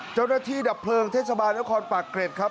เจ้าหน้าที่ดับเพลิงเทศบาลละครปากเกร็ดครับ